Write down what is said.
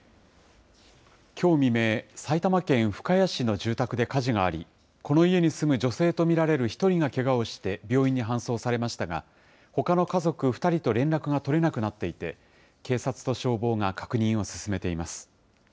きょう未明、埼玉県深谷市の住宅で火事があり、この家に住む女性と見られる１人がけがをして病院に搬送されましたが、ほかの家族２人と連絡が取れなくなっていて、警察と消防が確認を進めています。